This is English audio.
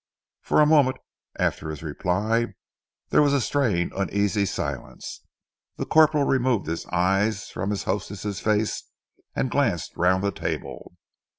For a moment after his reply there was a strained uneasy silence. The corporal removed his eyes from his hostess's face and glanced round the table.